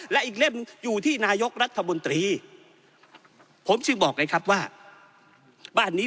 และอีกเล่มอยู่ที่นายกรัฐมนตรีผมจึงบอกไงครับว่าบ้านนี้